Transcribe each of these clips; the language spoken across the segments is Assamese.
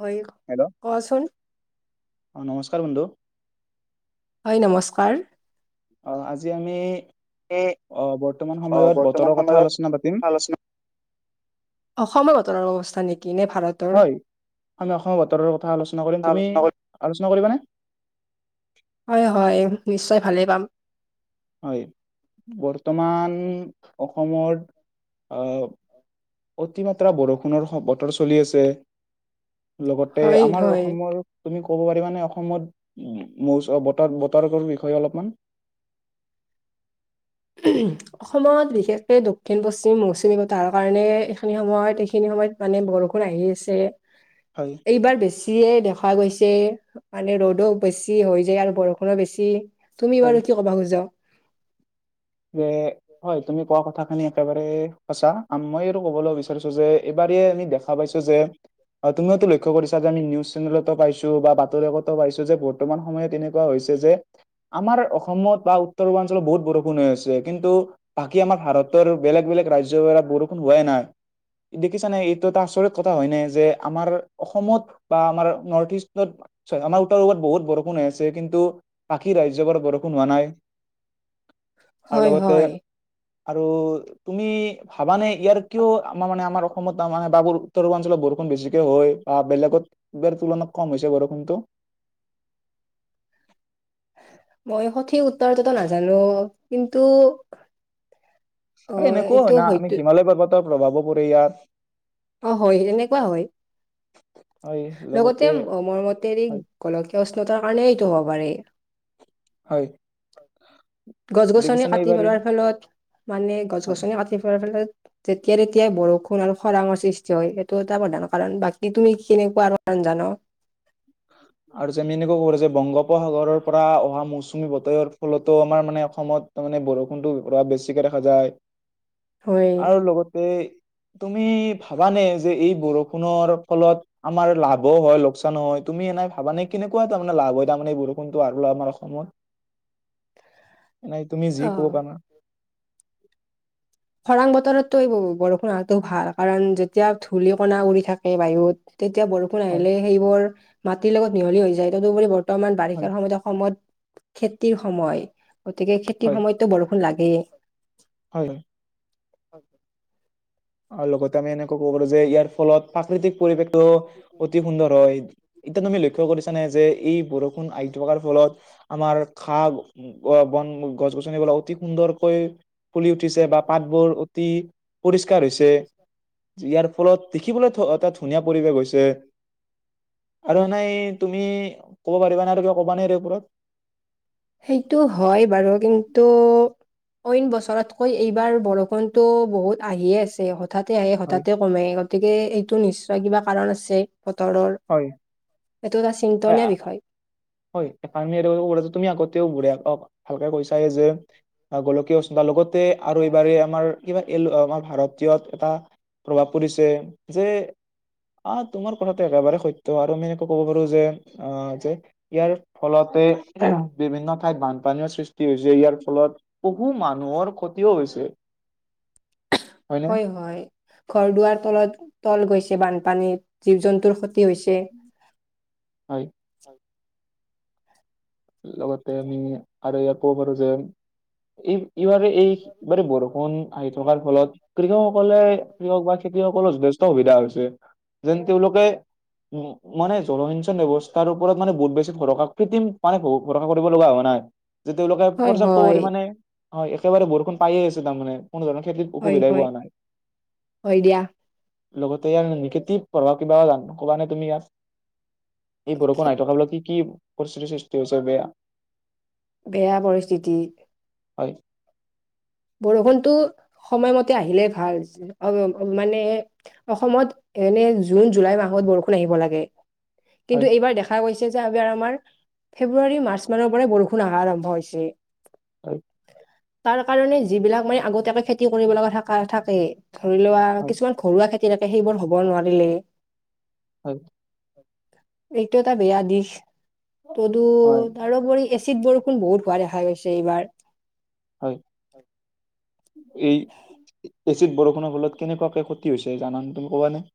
হয় হেল্ল' কোৱাচোন। কাৰ হটো হয় নমস্কাৰ। অ, আজি আমি এই অহ, বৰ্তমান অ সময়ত বৰ্তমান বতৰৰ সময়ত কথা আলোচনা পাতিম। কথা আলোচনা অসমৰ বটন অৱস্থা নেকি? নে ভাৰতৰ হয় আমি অসমৰ বতৰৰ কথা আলোচনা কৰিম তুমি আল কৰিবা নে। হয় - হয় নিশ্চয় ভালেই পাম। হয় বৰ্তমান অসমত অহ, অতিমাত্ৰা বৰষুণৰ বতৰ চলি আছে। লগতে হয় আমাৰ হয় অসমৰ তুমি ক'ব পাৰিবানে অসমতৌচ বতৰ - বতৰ বিষয়ে অলপমান। [inaudible] অসমত বিশেষকে দক্ষিণ পশ্চিম মৌচুমী বতাৰ কাৰণে এইখিনি সময়ত - এইখিনি সময়ত মানে বৰষুণ আহি আছে হয় এইবাৰ বেছিয়ে দেখ দেখা গৈছে মানে ৰ'দো বেছি হৈ যায় আৰু বৰষুণো বেছি। তুমি বাৰ হয় কি কব খোজা। যে হয় তুমি কোৱা কথা খিনি একেবাৰে সচা মই আৰু কবলৈ বিচাৰিছো যে এইবাৰ আমি দেখা পাইছো যে। অ, তুমিও লক্ষ্য কৰিছা যে আমি নিউজ চেনেলতো পাইছো বা বাতৰিকাকতো পাইছো যে বৰ্তমান সময়ত তেনেকুৱা হৈছে। যে আমাৰ অসমত বা উত্তৰ পূৰ্বাঞ্চলত বহুত বৰষূণ বৰষুণ হৈ হৈছে কিন্তু বাকী আমাৰ ভাৰতৰ বেলেগ - বেলেগ ৰাজ্যৰ পৰা বৰষুণ হোৱাই নাই। দেখিছানে এইটো এটা আচৰিত কথা হয় নাই যে আমাৰ অসমত বা আমাৰ নৰ্থ ইষ্টত হয় আমাৰ উত্তৰ পূত বহুত বৰষুণ হৈ আছে কিন্তু বাকী ৰাজ্যবোৰত বৰষুণ হোৱা নাই। [inaudible] আৰু হয় - লগতে হয়। আৰু তুমি ভাবানে ইয়াৰ কিয় আমাৰ মানে আমাৰ অসমত মানে বাবুৰ উত্তৰ পূৰ্বাঞ্চলৰ বৰষুণ বেছিকে হয় বা বেলেগত বেৰ তুলনাত কম হৈছে বৰষুণটো। [inaudible] মই সঠিক উত্তৰটোতো নাজানো কিন্তু অ হয় এনেকুৱাও এইটো হয় না আমি হয়তো হিমালয় পৰ্বতৰ প্ৰভাৱো পৰে ইয়াত অ হয় এনেকুৱা হয় লগতে মৰমতে এই হয় গোলকীয়া উষ্ণতাৰ কাৰণে এইটো হ'ব পাৰেি হয় গছ গছনি দেখিছানে কাটি এইবাৰ এই- পেলোৱাৰ ফলত মানে গছ হয় গছনি কাটি পেলোৱাৰ ফলত তেতিয়া তেতিয়াই বৰষুণ আৰু খৰা ম সৃষ্টি হয় এইেইটো এটা প্ৰধানৰ কাৰণ বাকী তুমি কেনেকুৱা কাৰণ জান আৰু যে মি এনেকা কব যে বংগপ উপসাগৰৰ পৰা অহা মৌচুমী বতৰ ফলতো আমাৰ মানে অসমত তাৰমানে বৰষুণটো বেছিকে দেখা যায় হয় আৰু লগতে তুমি ভাবানে যে এই বৰষুণৰ ফলত আমাৰ লাভো হয় লোকচানো হয় তুমি এ নাই ভাবা নে কেনেকুৱা তাৰমানে লাভ হয় তাৰমানে এই বৰষুণটো আৰু আমাৰ অসমত এ নাই তুমি যি অ ক'ব পানা খৰাং বততটো এই বৰষুণ হো ভাল কাৰণ যেতিয়া ধূলিকনাা উৰি থাকে বাহুত তেতিয়া বৰষুণ হয় আহিলে সেইবোৰ মাটিৰ লগত মিহলি হৈ যায় তদুপৰি বৰ্তমান হয় বাৰিষাৰ সময়ত অসমত খেতিৰ সময় গতিকে খেতিৰ হয় সময়তো বৰষুণ লাগে হয় হয় অ আৰু লগতে আমি এনেকুৱা ক'ব পাৰো যে ইয়াৰ ফলত প্ৰাকৃতিক পৰিৱেশটো অতি সুন্দৰ হয় এতিয়াতো আমি লক্ষ্য কৰিছা নে যে এই ষুণ আহি থকাৰ ফলত আমাৰ খা বন গছ গছনিব অতি সুন্দৰকৈ ফুলি উঠিছে বা পাতবোৰ অতি পৰিষ্কাৰ হৈছে ইয়াৰ ফলত দেখিবলৈ এটা ধুনীয়া পৰিৱেশ হৈছে আৰু নাই তুমি ক'ব পাৰিবা নে আৰু কিবা ক'বা নাই ওপৰত সেইটো হয় বাৰু কিন্তু অইন বছৰতকৈ এইবাৰ বৰষুণটো বহুত আহিয়ে আছে হঠাতে আহে হয় হঠাতে কমে গতিকে এইটো নিশ্চয় কিবা কাৰণ আছে বতৰৰ হয়। এইটো এটা হয় চিন্তনীয় বিষয় হয় তুমি আগতেওুঢ় অ ভালকে কৈছে যে গোলকীয় লগতে আৰু এইবাৰ আমাৰ কিবা এ আমাৰ ভাৰতীয়ত এটা প্ৰভাৱ পৰিছে যে আহ তোমাৰ কথাটো একেবাৰে সত্ আৰু আমি এনেকুৱা কব পাৰো যে আহ যে ইয়াৰ ফলতে বিভিন্ন ঠাইত বানপানীৰও সৃষ্টি হৈছে ইয়াৰ ফলত বহু মানুহ মৰ ক্ষতিও হৈছে হয়নে হয় হয় ঘৰ দুৱাৰ তলত তল গৈছে বানপানীত জীৱ জন্তুৰ স হয় লগতে আমি আৰু ইয়াত ক'ব পাৰো যে এই ইবাৰে এইবাৰে বৰষুণ আহি থকাৰ ফলত কৃষকসকলে কৃষক বা খেতিয়সকলৰ যথে সুবিধা হৈছে যেন তেওঁলোকে উ মানে জলসিঞ্চন ব্যৱস্থাৰ ওপৰত মান বহুত বছিৰা কৃত্ৰিম পানে সৰা কৰিব লগা হোৱা নাই যে তেওঁলোকে হয় পৰ্যাপ্ত হয় পৰি মানে হয় একেবাৰে বৰষুণ পায়ে আছে তাৰমানে কোনো ধৰণৰ খেতিত হয় অসুবিধাই হয় পোৱা নাই হয় দিয়া লগতে ইয়াৰ নিগেটিভ প্ৰভাৱ কিবা জানো ক'ব নে তুমি ইয়াত এই বৰষুণ খে- নাই থকাাব কি কি পৰিশিতি সৃষ্টি হৈছে হৈছে বেয়া বেয়া পৰিস্থিতি হয়। বৰষুণতটো সময়মতে আহিলে ভালআছিলে। মানে অসমত এনে জুন, জুলাই মাহত বৰষুণ আহিব লাগে। কিন্তু হয় এইবাৰ দেখা গৈছ চেও যে আগেৰ আমাৰ ফেব্ৰুৱাৰী, মাৰ্চ মানৰ পৰাই বৰষুণ আহাৰ আৰম্ভ হৈছি। হয়। তাৰ কাৰণে যিবিলাক মানে আগতীয়াকৈ খেতি কৰিব লগা থাকা থাকে ধৰি লোৱা হয় কিছুমান ঘৰুৱা খেতি থাকে সেইবোৰ হব নোৱাৰেই হয়। এইটো এটা বেয়া দিশ। তদু হয় তাৰোপৰি এচিত বৰষুণ বহুত হোৱা দেখা গৈছে এইবাৰ। হয়। এই এচিত বৰষুণৰ ফলত কেনেকুৱাকে ক্ষতি হৈছে জানানে তুমি? ক'বানে।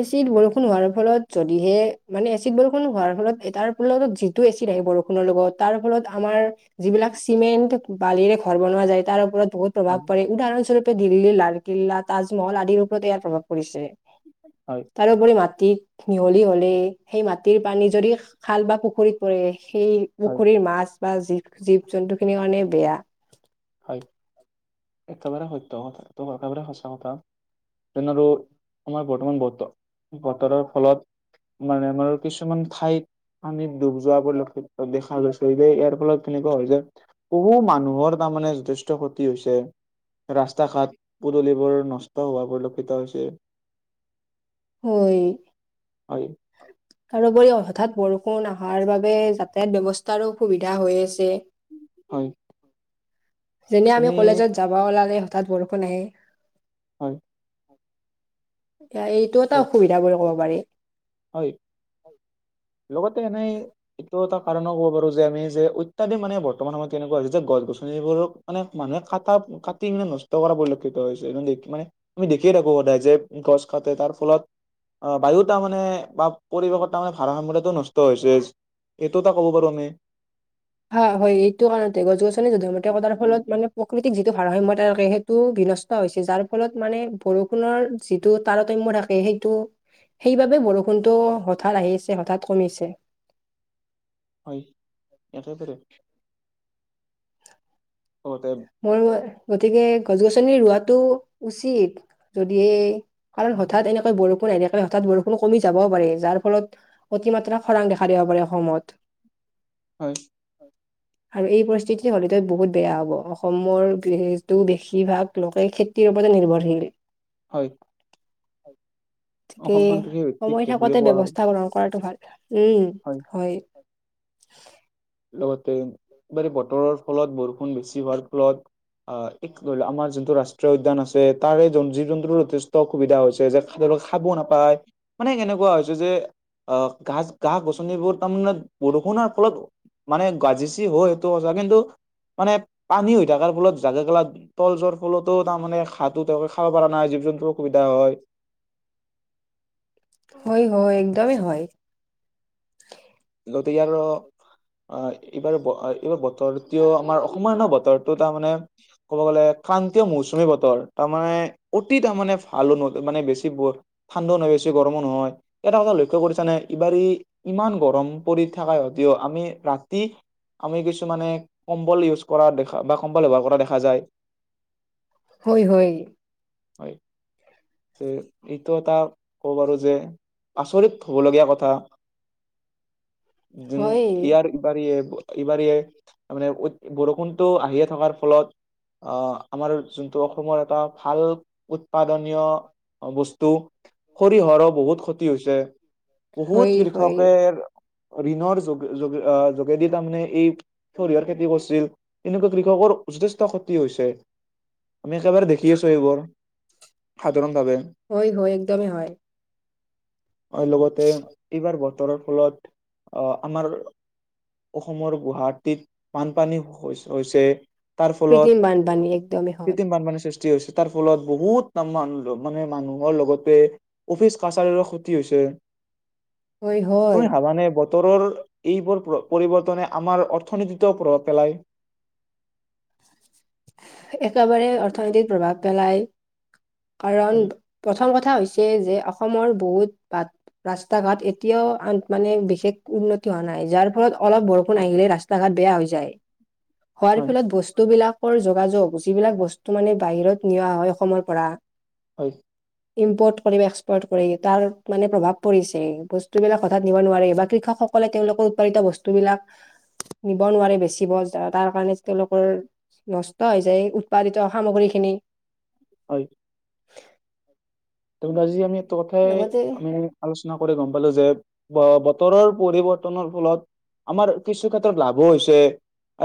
এচিড বৰষুণ হোৱাৰ ফলত যদিহে মানে এচিড বৰষুণ হোৱাৰ ফলত তাৰ ফলত যিটো এচিড আহিব বৰষুণৰ লগত তাৰ ফলত আমাৰ যিবিলাক চিমেন্ট, বালিৰে ঘৰ বনোৱা যায় তাৰ ওপৰত বহুত হয় প্ৰভাৱ পৰে। উদাহৰণস্বৰূপে দিল্লী, লালকিল্লা, তাজমহল, আদিৰ ওপৰত ইয়াৰ প্ৰভাৱ পৰিছে। হয় তাৰোপৰি মাত মাটিত মিহলি হলে সেই মাটিৰ পানী যদি খাল বা পুখুৰীত পৰে সেই হয় পুখুৰীৰ মাছ বা জীৱ, জীৱ জন্তু খিনিৰ কাৰণে বেয়া। হয়। একেবাৰে সত্য একেবাৰে সচা কথা তেন আৰু আমাৰ বৰ্তমান বতৰ বতৰৰ ফলত মানে আমাৰ কিছুমান ঠাইত আমি ডুব যোৱা পৰিলক্ষিত দেখা গৈছে যে ইয়াৰ ফলত কেনেকুৱা হয় যে বহু মানুহৰ তামানে যথেষ্ট ক্ষতি হৈছে। ৰাস্তা ঘাট পদুলিবোৰ নষ্ট হোৱা পৰিলক্ষিত হৈছে। হয়। হয় তাৰোপৰি হঠাৎ বৰষুণ অহাৰ বাবে যাতায়াত ব্যৱস্থাৰো অসুবিধা হৈ আছে হয়। যেনে আমি তুমি কলেজত যাবা অলাগে হঠাৎ বৰষুণ আহে। হয়। এতিয়া এইটো এটা অসুবিধা বুলি ক'ব পাৰি। হয়। লগতে এনেই এটো এটা কাৰণে ক'ব পাৰো যে আমি যে অত্যাধি মানে বৰ্তমান আমা কেনেকুৱা হৈছে যে গছ গছনিবোৰক মানে মানুহে কাটা কাটি নে নষ্ট কৰা পৰিলক্ষিত হৈছে মানে আমি দেখিয়ে থাকো সদায় যে গছ কাটে তাৰ ফলত অ, বায়ু তাৰমানে বা পৰিৱেশত তাৰ ভাড়াসম্যৰটো নষ্ট হৈছে। সেইটো এটা কব পাৰো আমি হা হয় এইটো কাৰণতে গছ গছনি যধে মধে কটাৰ ফলত মানে প্ৰকৃতিক যিটো ভাৰসাম্যতা ৰসে সেইটো বি নষ্ট হৈচি যাৰ ফলত মানে বৰষুণৰ যিটো তাৰতম্য থাকে হেইটো সেইবাবে বৰষুণতটো হঠাৎ আহিছে হঠাৎ কমিছে। হয় এটা এটা দে। মোৰ গতিকে গছ গছনি ৰুৱাটো উচিত, যদি এই আৰু হঠাৎ এনেকৈ বৰষুণ এনেকৈ হঠাৎ বৰষুণ কমি যাবও পাৰে, যাৰ ফলত অতিমাত্ৰা খৰাং দেখা দিব পাৰে অসমত। হয়। আৰু এই পৰিস্থিতিটো হ'লেতো বহুত বেয়া হ'ব। অসমৰ যিহেতু বেচিভাগ লোকে খেতিৰ ওপৰতে নিৰ্ভৰশীল। হয়। ঠিকেই অসমখন কৃষি ভিত্তিক সময় দেশ বুলি থাকোতে কোৱা হয় ব্যৱস্থা গ্ৰহণ কৰাটো ভাল। উম, হয়। লগতে বাৰে বতৰ ফলত বৰষুণ বেছি হোৱাৰ ফলত অ ধৰি ল আমাৰ যোনটো ৰাষ্ট্ৰীয় উদ্যান আছে তাৰে জী জন্তুৰ যথেষ্ট অসুবিধা হৈছে যে খাব নাপায় মানে কেনেকুৱা হৈছে যে আহ গাছ গা গছনিবোৰ তাৰমানে বৰষুণৰ ফলত মানে গাজিচি হ সেইটো আচা কিন্তু মানে পানী হৈ থকাৰ ফলত জাগে গেলা তল যোৱাৰ ফলতো তাৰমানে ঘাঁহটো তেওঁলোকে খাব পৰা নাই। জী জন্তু অসুবিধা হয়। হয় হয় একদমেই হয়। লতি আৰ অ এইবাৰ এইবাৰ বতৰটোও আমাৰ অসমান বতৰটো তাৰমানে ক'ব গ'লে ক্ৰান্তীয় মৌচুমী বতৰ তাৰ মানে অতি তাৰ মানে ভাল ন মানে বেছি ঠান্ড ন বেছ বেছি গৰমো নহয় এটা কথা লক্ষ্য কৰিছা নে এইবাৰ ইমান গৰম পৰি থাকাই হয় দিয় আমি ৰাতি আমি কিছুমানে কম্বল ইউজ কৰা দেখা বা কম্বল ব্যৱহাৰ কৰা দেখা যায় হয় হয় হয় যে এইটো এটা ক'ব পাৰোঁ যে আচৰিত হ'ব লগীয়া কথা [unintelligible] উম হয় ইয়াৰ উবাৰীয়ে এইবাৰিয় মানে বৰষুণটো আহিয়ে থকাৰ ফলত আহ আমাৰ যোনটো অসমৰ এটা ভাল উৎপাদনীয় বস্তু সৰিয়হৰো বহুত ক্ষতি হৈছে হয় বহুত হয় কৃষকে ঋণৰ য য যোগেদি তাৰমানে এই সৰিয়হৰ খেতি কৰিছিল এনেকুৱা কৃষক মোৰ যথেষ্ট খতি হৈছে আমি একেবাৰে দেখি আছোঁ এইবোৰ সা হয় হয় একদমেই হয় আৰু লগতে এইবাৰ বতৰৰ ফলত আহ আমাৰ অসমৰ গুৱাহাটীত বানপানী হৈছে তাৰ ফলত কৃত্ৰিম বানপানী একদমেই হয় কৃত্ৰিম বানপানীৰ সৃষ্ট ক্ষয়তি হৈছে তাৰ ফলত বহুতামাম মানে মানুহৰ লগতে অফিচ কাছাৰীৰো ক্ষতি হৈছে [unintelligible] হয় হয় মানে বতৰৰ এইবোৰ পৰিৱৰ্তনে আমাৰ অৰ্থনীতিতো প্ৰভাৱ পেলায়। [inaudible] একেবাৰে অৰ্থনীতিত প্ৰভাৱ পেলায় কাৰণ হয় প্ৰথম কথ কথা হৈছে যে অসমৰ বহুত ৰাস্তা ঘাট এতিয়াও মানে বিশেষ উন্নতি হোৱা নাই যাৰ ফলত অলপ বৰষুণ আহিলে ৰাস্তা ঘাট বেয়া হৈ যায়, হোৱাৰ হয় ফলত বস্তুবিলাক কৰ যোগাযোগ যিবিলাক বস্তু মানে বাহিৰত নিয়া হয় অসমৰ পৰা। হয়। ইম্পৰ্ট কৰি বা এক্সপৰ্ট কৰি তাৰ মানে প্ৰভাৱ পৰিছে বস্তুবিলাক হঠাৎ নিব নোৱাৰে বা কৃষক সকলে তেওঁলোকৰ উৎপাদিত বস্তুবিলাক নিব নোৱাৰে বেচিব তাৰ কাৰণে তেওঁলোকৰ নষ্ট হৈ যায় উৎপাদিত সামগ্ৰীখিনি। হয়। [unintelligible] আজি আমি এটো কথাই লগতে আমি আলোচনা কৰি গম পালোঁ যে। ব-বতৰৰ পৰিৱৰ্তনৰ ফলত আমাৰ কিছু ক্ষেত্ৰত লাভো হৈছে।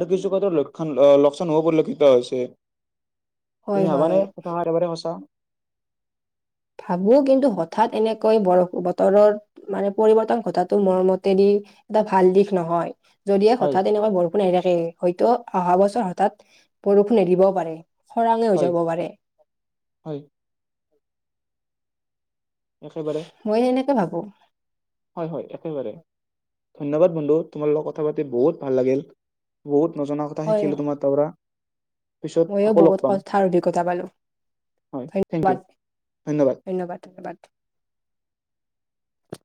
আৰু কিছু ক্ষেত্ৰত লক্ষণ লোকচান হ'ব পৰিলক্ষিত হৈছে। তুমি হয় ভাবা হয় নাই কথা সাৰ মানে সঁচা। ভাবো কিন্তু হঠাৎ এনেকৈ বৰ বতৰত মানে পৰিৱৰ্তন ঘটাটো মোৰ মতেদি এটা ভাল দিশ নহয়। যদিহে হয় হঠাৎ এনেকুৱা বৰষুণ আহি থাকে হয়তো অহা বছৰ হঠাৎ বৰষুণ নেদিবও পাৰে। খৰাঙে হৈ হয় যাব পাৰে। হয় একেবাৰে ময়ে সেনেকে ভাবো। হয়, হয়, একেবাৰে। ধন্যবাদ বন্ধু, তোমাৰ লগত কথা পাতি বহুত ভাল লাগিল, বহুত নজনা কথা হয় শিকিলো তোমাৰ তাৰ পৰা। পিছত ময়ো আকৌ লগ বহুত পাম কথাৰ অভিজ্ঞতা পালোঁ। হয় থেংক ইউ ধন্যবাদ ধন্যবাদ ধন্যবাদ!